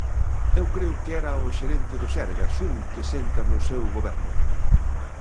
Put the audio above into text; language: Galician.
Eu creo que era o xerente do Sergas un que senta no seu goberno.